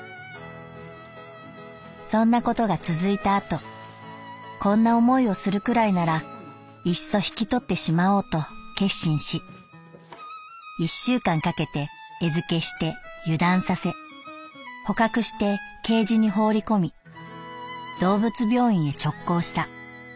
「そんなことが続いた後こんな思いをするくらいならいっそ引き取ってしまおうと決心し一週間かけて餌付けして油断させ捕獲してケージに放り込み動物病院へ直行した」。